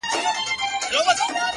تا په درد كاتــــه اشــــنــــا;